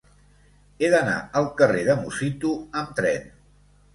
He d'anar al carrer de Musitu amb tren.